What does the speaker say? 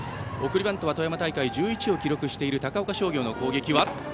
送りバントは富山大会、１１を記録している高岡商業の攻撃。